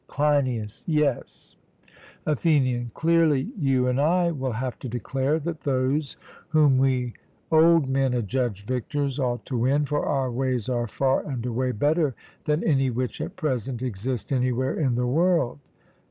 CLEINIAS: Yes. ATHENIAN: Clearly you and I will have to declare that those whom we old men adjudge victors ought to win; for our ways are far and away better than any which at present exist anywhere in the world.